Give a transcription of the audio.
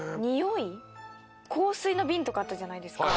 香水の瓶とかあったじゃないですか